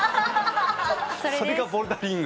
それがボルダリング。